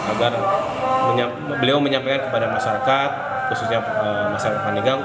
agar beliau menyampaikan kepada masyarakat khususnya masyarakat pandegang